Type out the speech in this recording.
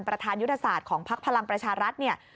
ประธานยุทธศาสตร์ของพักพลังประชารัฐเนี่ย